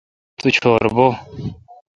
تو چور بھو۔